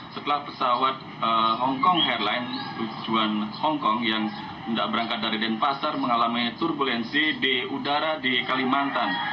setelah pesawat hong kong airlines tujuan hong kong yang tidak berangkat dari denpasar mengalami turbulensi di udara di kalimantan